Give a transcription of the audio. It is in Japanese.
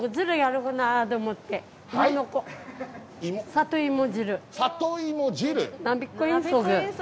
里芋汁！